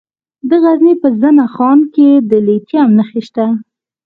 د غزني په زنه خان کې د لیتیم نښې شته.